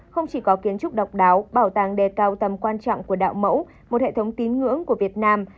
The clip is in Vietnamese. không chỉ có kiến trúc độc đáo bảo tàng đề cao tầm quan trọng của đạo mẫu một hệ thống tín ngưỡng của việt nam